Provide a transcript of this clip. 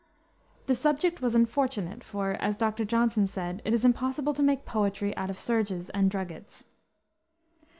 The subject was unfortunate, for, as Dr. Johnson said, it is impossible to make poetry out of serges and druggets.